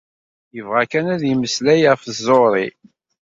Yebɣa kan ad yemmeslay ɣef tẓuri.